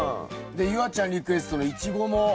夕空ちゃんリクエストのイチゴもほら。